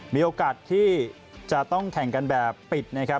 มีโอกาสที่จะต้องแข่งกันแบบปิดนะครับ